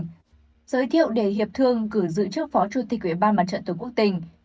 giới thiệu để hiệp thương cử giữ chức phó trung tịch ủy ban mặt trận tổ quốc tỉnh